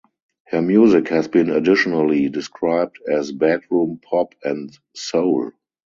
Her music has been additionally described as bedroom pop and soul.